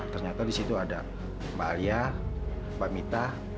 ternyata di situ ada mbak alia mbak mita